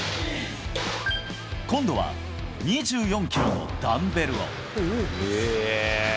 今度は、２４キロのダンベルを。